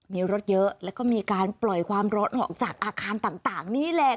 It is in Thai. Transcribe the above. มีรถเยอะแล้วก็มีการปล่อยความร้อนออกจากอาคารต่างนี่แหละ